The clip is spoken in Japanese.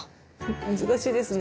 難しいですね。